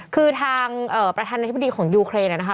คือทางประธานาธิบดีของยูเครนนะคะ